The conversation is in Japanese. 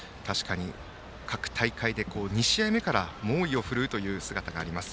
各大会で２試合目から猛威を振るう姿があります。